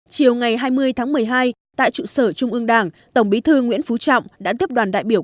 chiều ngày hai mươi tháng một mươi hai tại trụ sở trung ương đảng tổng bí thư nguyễn phú trọng đã tiếp đoàn đại biểu